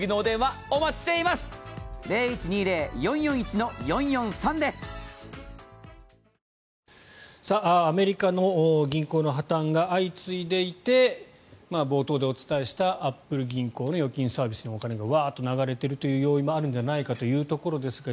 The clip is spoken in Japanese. まだ経営破たんするところが出てくる可能性がアメリカの銀行の破たんが相次いでいて冒頭でお伝えしたアップル銀行の預金サービスにお金がワーッと流れているという要因もあるんじゃないかというところですが